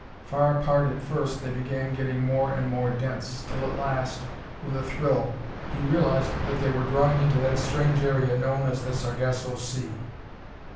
Far apart at first, they began getting more and more dense, till at last, with a thrill, he realized that they were drawing into that strange area known as the Sargasso Sea.